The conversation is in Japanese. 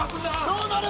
どうなる？